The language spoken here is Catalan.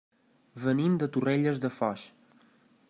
Venim de Torrelles de Foix.